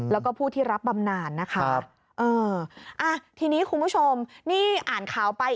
แล้วก็ผู้ที่รับบำนานนะคะ